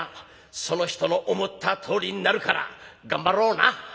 その人の思ったとおりになるから頑張ろうな」。